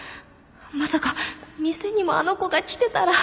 まさか店にもあの子が来てたら。